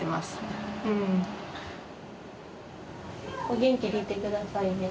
お元気でいてくださいね。